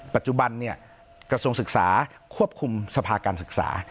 ปัจจุบันกระทรวงศึกษาควบคุมสภาการศึกษา